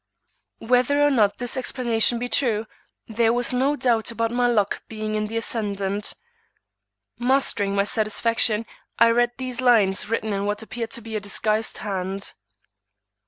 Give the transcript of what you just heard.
Whether or not this explanation be true, there was no doubt about my luck being in the ascendant. Mastering my satisfaction, I read these lines written in what appeared to be a disguised hand.